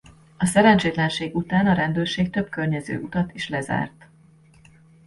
A szerencsétlenség után a rendőrség több környező utat is lezárt.